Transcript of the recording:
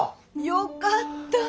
よかった。